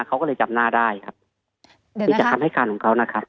เขาก็เลยจำหน้าได้ครับเดี๋ยวนะครับมีการทำให้การของเขานะครับ